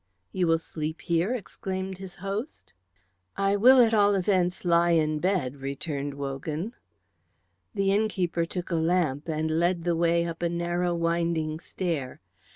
"You will sleep here?" exclaimed his host. "I will at all events lie in bed," returned Wogan. The innkeeper took a lamp and led the way up a narrow winding stair.